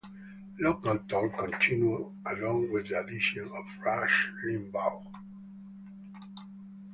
Local talk continued, along with the addition of Rush Limbaugh.